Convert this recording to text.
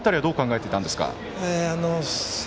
あの辺りどう考えていたんですか。